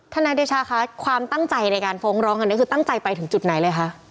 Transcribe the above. นายเดชาคะความตั้งใจในการฟ้องร้องอันนี้คือตั้งใจไปถึงจุดไหนเลยคะ